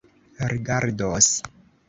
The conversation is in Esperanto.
rigardos